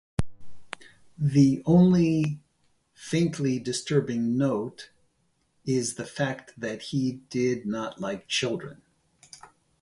The only faintly disturbing note is the fact that he did not like children.